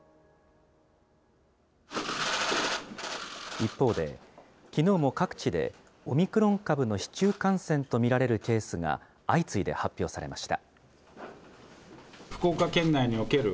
一方で、きのうも各地で、オミクロン株の市中感染と見られるケースが相次いで発表されました。